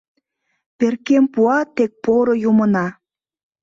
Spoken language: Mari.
Перкем пуа тек поро юмына.